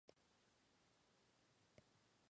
Amanecer Dorado en Grecia, Petró Poroshenko en Ucrania.